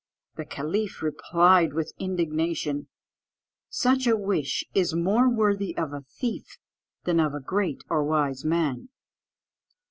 The caliph replied with indignation, "Such a wish is more worthy of a thief than of a great or wise man."